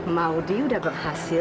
maudie udah berhasil